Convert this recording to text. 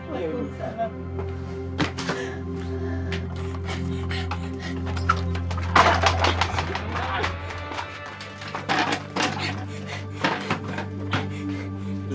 selamat pulang ustaz